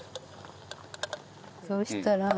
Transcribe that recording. そうしたら。